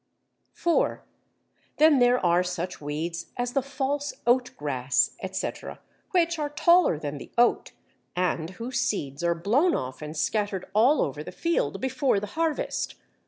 (4) Then there are such weeds as the False Oat grass, etc., which are taller than the Oat, and whose seeds are blown off and scattered all over the field before the harvest.